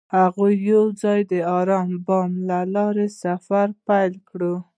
هغوی یوځای د آرام بام له لارې سفر پیل کړ.